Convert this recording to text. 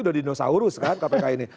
udah dinosaurus kan kpk ini